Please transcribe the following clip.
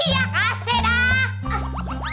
iya kasih dah